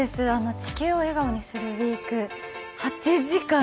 「地球を笑顔にするＷＥＥＫ」